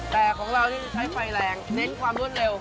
แต่ของเรานี่ใช้ไฟแรงเน้นความรวดเร็ว